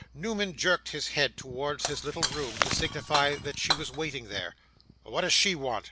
Newman jerked his head towards his little room, to signify that she was waiting there. 'What does she want?